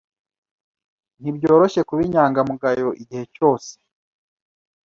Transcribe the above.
Ntibyoroshye kuba inyangamugayo igihe cyose.